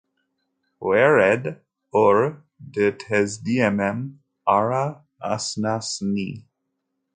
Werɛad ur d-tezdimem ara asnas-nni?